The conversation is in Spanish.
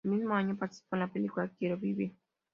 El mismo año participó en la película "¡Quiero vivir!